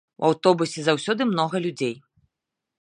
У аўтобусе заўсёды многа людзей.